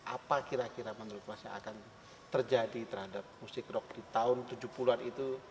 apa kira kira menurut mas yang akan terjadi terhadap musik rock di tahun tujuh puluh an itu